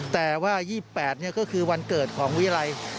แต่ว่า๒๘นี่ก็คือวันเกิดของวิรัย